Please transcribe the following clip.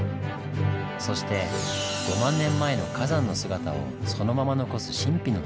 そして５万年前の火山の姿をそのまま残す神秘の風景。